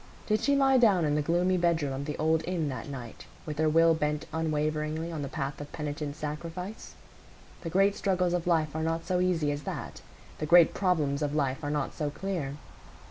Did she lie down in the gloomy bedroom of the old inn that night with her will bent unwaveringly on the path of penitent sacrifice? The great struggles of life are not so easy as that; the great problems of life are not so clear.